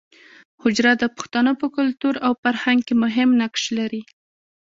حجره د پښتانو په کلتور او فرهنګ کې مهم نقش لري